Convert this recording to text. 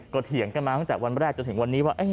ก็เถียงกันมาตั้งแต่วันแรกจนถึงวันนี้ว่า